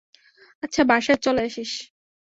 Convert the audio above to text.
আচ্ছা, বাসায় চলে আসিস।